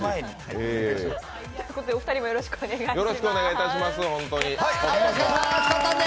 お二人もよろしくお願いします。